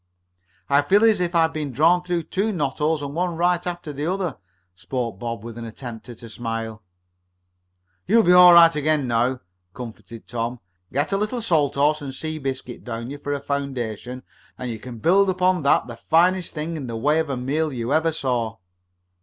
"I feel as if I had been drawn through two knot holes, one right after the other," spoke Bob, with an attempt at a smile. "You'll soon be all right again now," comforted Tom. "Get a little salt horse and sea biscuit down for a foundation, and you can build up on that the finest thing in the way of a meal you ever saw."